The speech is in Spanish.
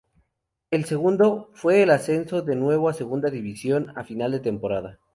El segundo, fue el ascenso de nuevo a Segunda División a final de temporada.